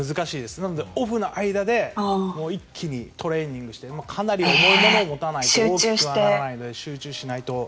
なので、オフの間でもう一気にトレーニングしてかなり重いものを持たないと大きくならないので集中しないと。